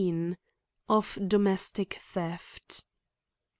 Of domestic theft.